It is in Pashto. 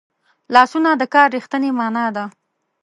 لاسونه د کار رښتینې مانا ده